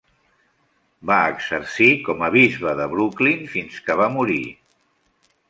Va exercir com a bisbe de Brooklyn fins que va morir..